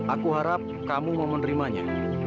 aku harap kamu mau menerimanya